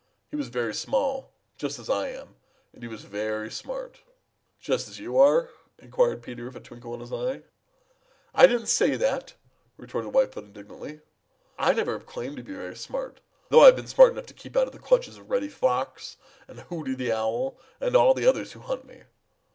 He was very small, just as I am, and he was very smart." "Just as you are?" inquired Peter with a twinkle in his eyes. "I didn't say that!" retorted Whitefoot indignantly. "I never have claimed to be very smart, though I've been smart enough to keep out of the clutches of Reddy Fox and Hooty the Owl and all the others who hunt me.